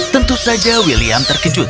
tentu saja william terkejut